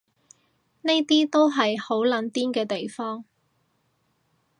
呢啲都係好撚癲嘅地方